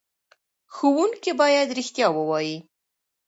ښوونکي باید رښتیا ووايي.